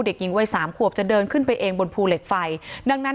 เด็กหญิงวัยสามขวบจะเดินขึ้นไปเองบนภูเหล็กไฟดังนั้น